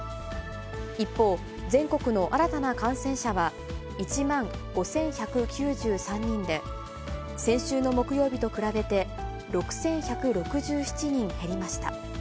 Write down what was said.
一方、全国の新たな感染者は１万５１９３人で、先週の木曜日と比べて６１６７人減りました。